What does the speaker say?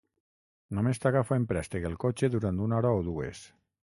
Només t'agafo en préstec el cotxe durant una hora o dues.